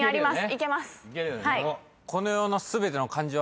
いけます。